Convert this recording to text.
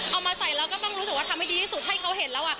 เอามาใส่แล้วก็ต้องรู้สึกว่าทำให้ดีที่สุดให้เขาเห็นแล้ว